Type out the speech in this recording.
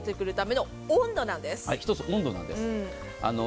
一つ、温度なんです。